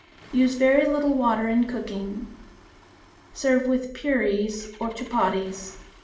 Use very little water in cooking. Serve with puris or chupatties.